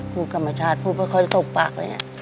ผู้กรรมชาติผู้ก็ค่อยตกปากเลยไง